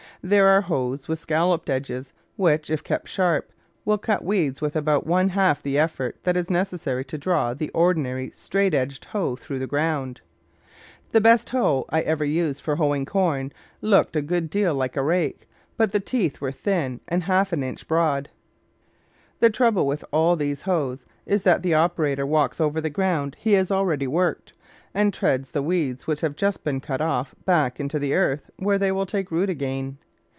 There are hoes with scalloped edges, which, if kept sharp, will cut weeds with about one half the effort that is necessary to draw the ordi nary straight edged hoe through the ground. The THE VEGETABLE GARDEN best hoe I ever used for hoeing corn looked a good deal like a rake, but the teeth were thin and half an inch broad. One trouble with all these hoes is that the oper ator walks over the ground he has already worked, and treads the weeds which have just been cut off back into the earth, where they take root again.